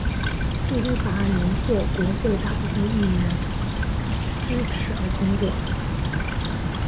最终法案仍获国会大部份议员支持而通过。